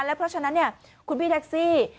เพราะฉะนั้นคุณพี่แท็กซี่